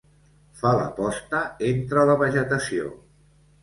Fa la posta entre la vegetació.